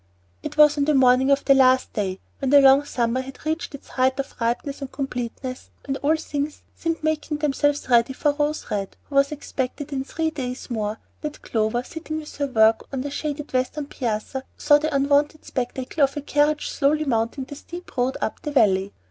It was on the morning of the last day, when the long summer had reached its height of ripeness and completeness, and all things seemed making themselves ready for Rose Red, who was expected in three days more, that Clover, sitting with her work on the shaded western piazza, saw the unwonted spectacle of a carriage slowly mounting the steep road up the Valley.